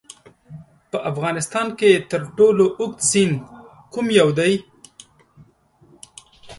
په افغانستان کې تر ټولو اوږد سیند کوم یو دی؟